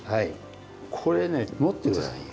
これね持ってごらんよ。